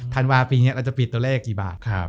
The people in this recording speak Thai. ธันวาปีนี้เราจะปิดตัวเลขกี่บาท